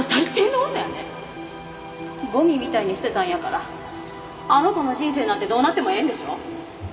ごみみたいに捨てたんやからあの子の人生なんてどうなってもええんでしょ？